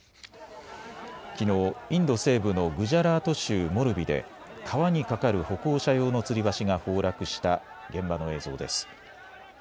きのう、インド西部のグジャラート州モルビで川に架かる歩行者用のつり橋が崩落した現場の映像です。